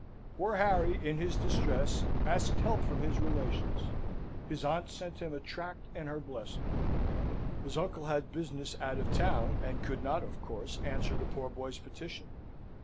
Poor Harry in his distress asked help from his relations: his aunt sent him a tract and her blessing; his uncle had business out of town, and could not, of course, answer the poor boy's petition.